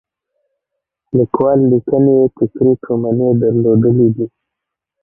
لیکوال لیکنې یې فکري تومنې درلودلې دي.